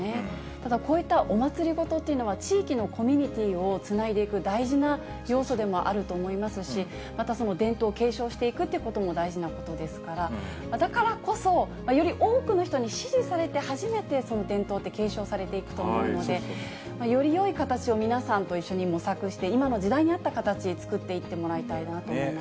ただ、こういったお祭りごとというのは、地域のコミュニティをつないでいく大事な要素でもあると思いますし、またその伝統を継承していくということも大事なことですから、だからこそ、より多くの人に支持されて、初めてその伝統って継承されていくと思うので、よりよい形を皆さんと一緒に模索して、今の時代に合った形、作っていってもらいたいなと思います。